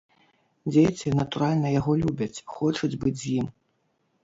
Дзеці, натуральна, яго любяць, хочуць быць з ім.